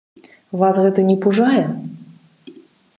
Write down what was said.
Вас гэта не пужае?